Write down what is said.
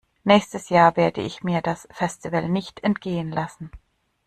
Nächstes Jahr werde ich mir das Festival nicht entgehen lassen.